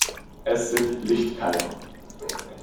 Es sind Lichtkeimer.